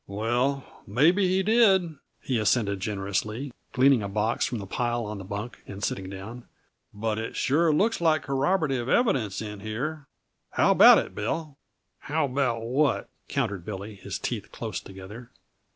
"Well, maybe he did," he assented generously, gleaning a box from the pile on the bunk and sitting down, "but it sure looks like corroborative evidence, in here. How about it, Bill?" "How about what?" countered Billy, his teeth close together.